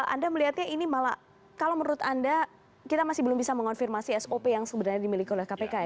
anda melihatnya ini malah kalau menurut anda kita masih belum bisa mengonfirmasi sop yang sebenarnya dimiliki oleh kpk ya